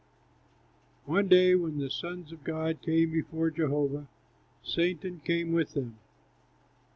One day when the sons of God came before Jehovah, Satan came with them.